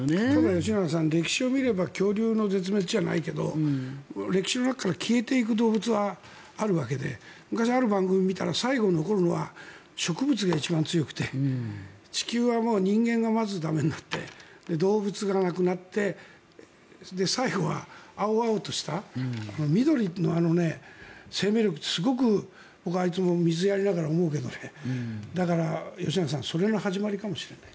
吉永さん、歴史を見れば恐竜の絶滅じゃないけど歴史の中から消えていく動物はあるわけで昔、ある番組を見たら最後に残るのは植物が一番強くて地球は人間がまず駄目になって動物がなくなって最後は青々とした緑の生命力ってすごく僕はいつも水をやりながら思うけどそれの始まりかもしれない。